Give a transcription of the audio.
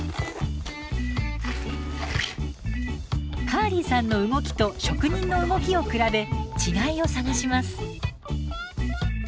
カーリーさんの動きと職人の動きを比べ違いを探します。